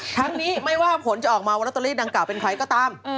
ทั้งนี้ไม่ว่าผลจะออกมาว่าลอตเตอรี่ดังกล่าเป็นใครก็ตาม